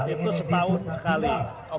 itu setahun sekali